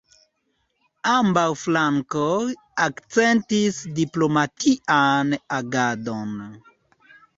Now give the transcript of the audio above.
Ambaŭ flankoj akcentis diplomatian agadon.